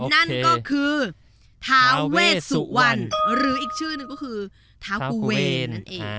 นั่นก็คือทาเวสุวรรณหรืออีกชื่อนึงก็คือทาภูเวร